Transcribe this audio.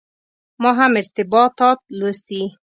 ما هم ارتباطات لوستي.